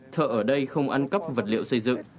thợ ở đây không ăn cắp vật liệu xây dựng